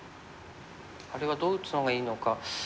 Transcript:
あれはどう打つのがいいのか。